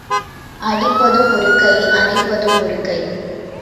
அடிப்பதும் ஒரு கை அணைப்பதும் ஒரு கை.